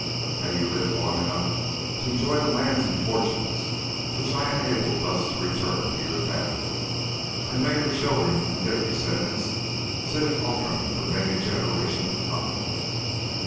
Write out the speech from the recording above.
"May you live long enough to enjoy the lands and fortune which I am enabled thus to return to your family, and may your children and their descendants sit at Outram for many a generation to come!